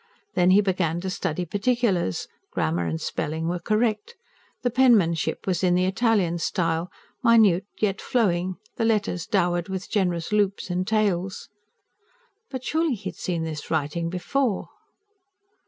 Then he began to study particulars: grammar and spelling were correct; the penmanship was in the Italian style, minute, yet flowing, the letters dowered with generous loops and tails. But surely he had seen this writing before?